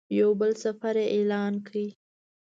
یو بل سفر یې اعلان کړ.